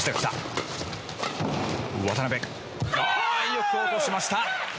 よく落としました！